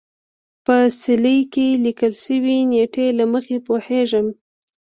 په څلي کې لیکل شوې نېټې له مخې پوهېږو.